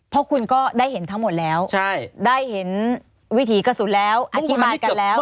เพราะคุณก็ได้เห็นทั้งหมดแล้วได้เห็นวิถีกระสุนแล้วอธิบายกันแล้ว